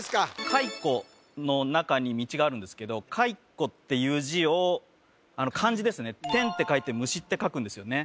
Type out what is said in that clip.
カイコの中に道があるんですけど「蚕」っていう字を漢字ですね「天」って書いて「虫」って書くんですよね